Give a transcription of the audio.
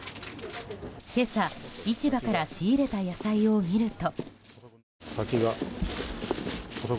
今朝、市場から仕入れた野菜を見ると。